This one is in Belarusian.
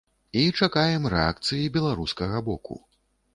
І чакаем рэакцыі беларускага боку.